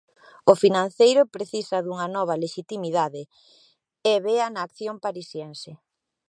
O financeiro precisa dunha nova lexitimidade, e vea na acción parisiense.